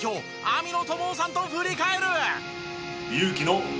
網野友雄さんと振り返る！